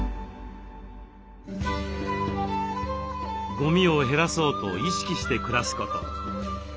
ゴミを減らそうと意識して暮らすこと。